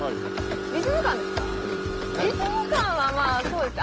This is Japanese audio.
リズム感ですか？